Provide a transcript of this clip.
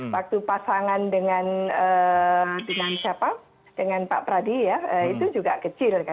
waktu pasangan dengan pak pradi ya itu juga kecil kan